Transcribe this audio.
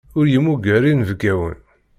Ur yemmuger inebgawen.